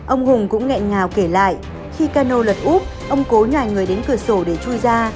ông hùng cũng nghẹn ngào kể lại khi cano lật úp ông cố nhà người đến cửa sổ để chui ra